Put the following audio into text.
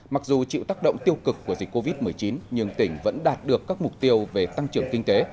mặc dù chịu tác động tiêu cực của dịch covid một mươi chín nhưng tỉnh vẫn đạt được các mục tiêu về tăng trưởng kinh tế